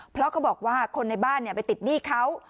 เพราะเขาบอกว่าคนในบ้านไปติดหนี้เขา